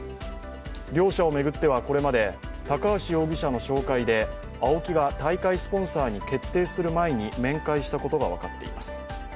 両者を巡ってはこれまで高橋容疑者の紹介でＡＯＫＩが大会スポンサーに決定する前に面会したことが分かっています。